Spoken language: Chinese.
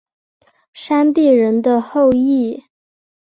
山地人的后裔。